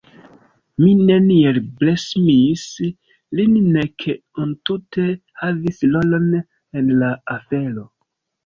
Mi neniel bremsis lin nek entute havis rolon en la afero.